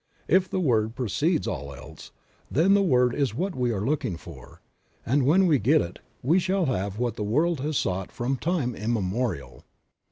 If the Word precedes all else, then the Word is what we are looking for, and when we get it we shall have what the world has sought from time immemorial.